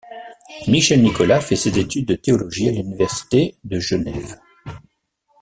Michel Nicolas fait ses études de théologie à l'université de Genève.